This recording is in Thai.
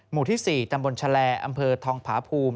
หมู่ที่๔ตำบลชะแลอำเภอทองผาภูมิ